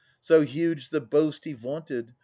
So huge the boast he vaunted !